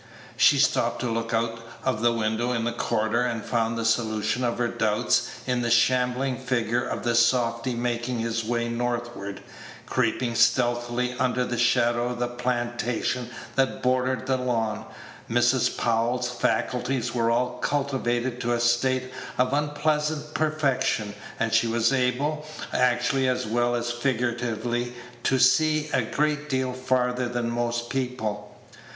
She stopped to look out of a window in the corridor, and found the solution of her doubts in the shambling figure of the softy making his way northward, creeping stealthily under shadow of the plantation that bordered the lawn. Mrs. Powell's faculties were all cultivated to a state of unpleasant perfection, and she was able, actually as well as figuratively, to see a great deal farther than most people.